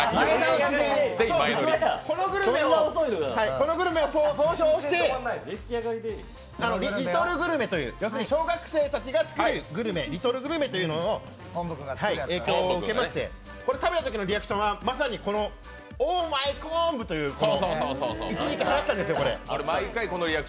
このグルメを総称してリトルグルメという要するに小学生たちが作るというグルメ、リトルグルメに影響を受けまして、これを食べた時のリアクションは「オーマイコンブ！」という一時期、はやったんですよ。